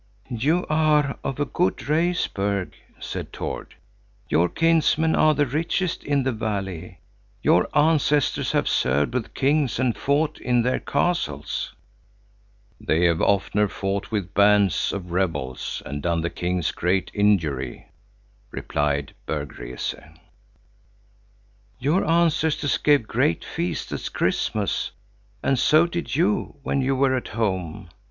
"You are of a good race, Berg," said Tord. "Your kinsmen are the richest in the valley. Your ancestors have served with kings and fought in their castles." "They have oftener fought with bands of rebels and done the kings great injury," replied Berg Rese. "Your ancestors gave great feasts at Christmas, and so did you, when you were at home.